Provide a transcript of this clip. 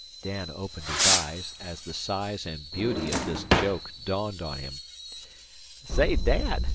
Dan opened his eyes as the size and beauty of this joke dawned on him. "Say, Dad!"